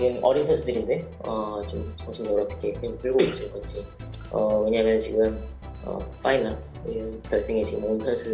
mereka adalah pemain yang muda